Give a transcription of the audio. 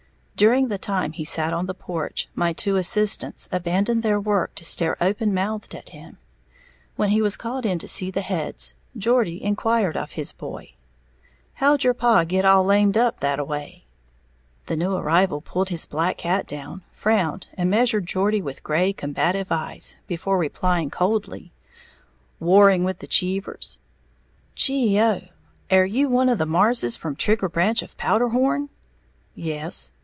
During the time he sat on the porch, my two assistants abandoned their work to stare open mouthed at him. When he was called in to see the heads, Geordie inquired of his boy, "How'd your paw git all lamed up thataway?" [Illustration: "My two assistants abandoned work to stare open mouthed at him."] The new arrival pulled his black hat down, frowned, and measured Geordie with gray, combative eyes, before replying, coldly, "Warring with the Cheevers." "Gee oh, air you one of the Marrses from Trigger Branch of Powderhorn?" "Yes."